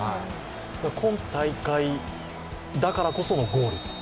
今大会だからこそのゴールと。